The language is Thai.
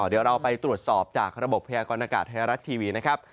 เดี๋ยวเราไปตรวจสอบจากระบบพยากรณากาศไทยรัฐทีวีนะครับ